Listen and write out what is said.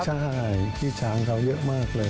ใช่ขี้ช้างเขาเยอะมากเลย